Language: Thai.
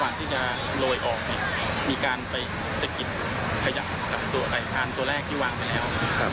แล้วก็มีการเชื่อมการตัวยึดกับตัวแรกเรียบร้อยแล้ว